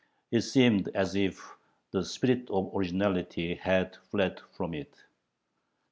It seemed as if the spirit of originality had fled from it.